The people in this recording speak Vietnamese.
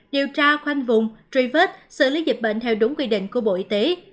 điều tra khoanh vùng truy vết xử lý dịch bệnh theo đúng quy định của bộ y tế